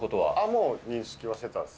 もう認識はしてたんです。